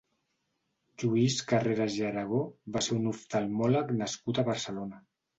Lluís Carreras i Aragó va ser un oftalmòleg nascut a Barcelona.